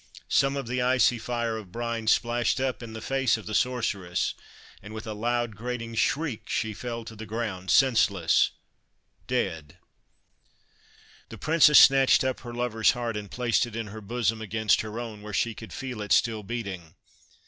Some of the icy fire of brine splashed up in the face of the Sorceress, and with a loud, grating shriek, she fell to the ground senseless dead I The Princess snatched up her lover's heart, and placed it in her bosom against her own, where she could feel it still beating.